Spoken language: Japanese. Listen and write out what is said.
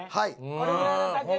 これぐらいの丈で。